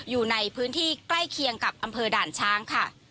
อยู่ในพื้นที่ใกล้เคียงกับอำเภอด่านช้างค่ะ